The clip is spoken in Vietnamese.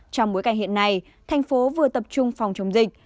trong bối cảnh hiện nay thành phố vừa tập trung phòng chống dịch